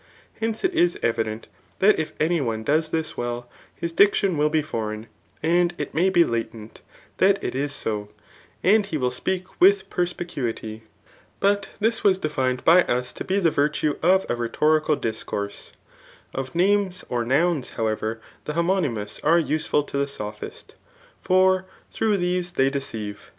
Hence it is evident, that if any one does^ tUs imU; his diction will be foreign, and it may be liatent CHAF« IIS MHSrOKK^ fl09 tbtt it i« 80^ and he ^xdU speak wdk penfucui^. But thn was defined by us to be die virtue of a rhetorical discourse. Of names or nouns^ however, the honumy hmnis are useful to the sophist ; for tlupugh these they ^ieceive.